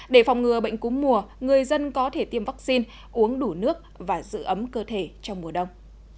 để phòng ngừa bệnh cúm mùa người dân có thể tiêm vaccine uống đủ nước và giữ ấm cơ thể trong mùa đông